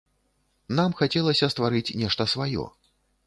Нам хацелася стварыць нешта сваё.